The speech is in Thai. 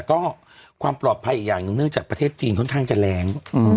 ก็ความปลอดภัยอีกอย่างหนึ่งเนื่องจากประเทศจีนค่อนข้างจะแรง